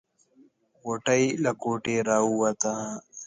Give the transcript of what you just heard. غوټۍ له کوټې راووته.